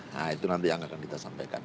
nah itu nanti yang akan kita sampaikan